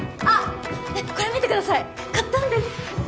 あっこれ見てください買ったんです